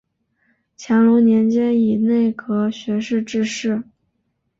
乾隆年间以内阁学士致仕。